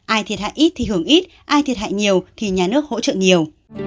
ai thiệt hại ít thì hưởng ít ai thiệt hại nhiều thì nhà nước hỗ trợ nhiều